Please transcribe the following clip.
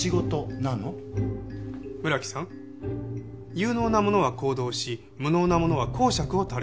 有能な者は行動し無能な者は講釈を垂れる。